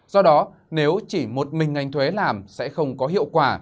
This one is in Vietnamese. do đó nếu chỉ một mình ngành thuế làm sẽ không có hiệu quả